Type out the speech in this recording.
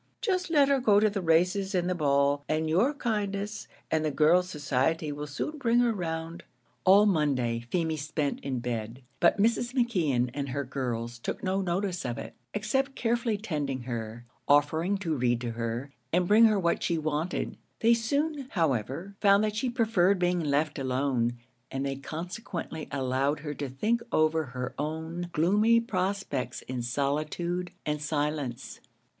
Just let her go to the races, and the ball; and your kindness and the girls' society will soon bring her round." All Monday Feemy spent in bed, but Mrs. McKeon and her girls took no notice of it, except carefully tending her offering to read to her, and bring her what she wanted. They soon, however, found that she preferred being left alone; and they consequently allowed her to think over her own gloomy prospects in solitude and silence.